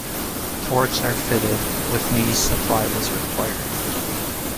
Thwarts are fitted, with knees supplied as required.